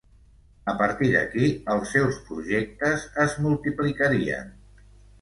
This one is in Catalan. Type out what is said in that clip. A partir d'aquí, els seus projectes es multiplicarien.